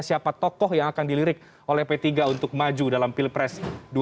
siapa tokoh yang akan dilirik oleh p tiga untuk maju dalam pilpres dua ribu sembilan belas